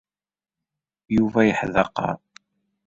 Yuba yeḥdaqer.